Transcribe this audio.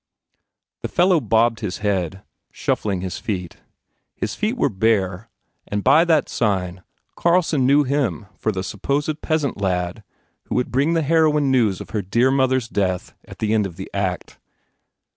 1 The fellow bobbed his head, shuffling his feet. His feet were bare and by that sign Carlson knew him for the supposed peasant lad who would bring the heroine news of her dear mothers death at the end of the act.